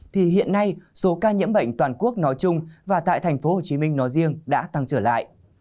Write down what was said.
thì hiện nay số ca nhiễm bệnh toàn quốc nói chung và tại tp hcm nói riêng đã tăng trở lại